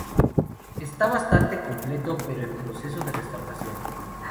Está bastante completo, pero en proceso de restauración.